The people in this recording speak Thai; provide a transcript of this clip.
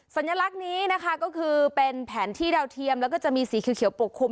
สัญลักษณ์นี้นะคะก็คือเป็นแผนที่ดาวเทียมแล้วก็จะมีสีเขียวปกคลุม